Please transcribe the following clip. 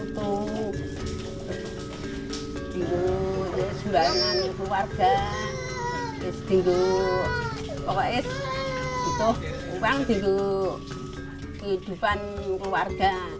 saya juga menggunakan uang untuk hidup keluarga